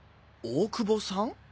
大久保さん？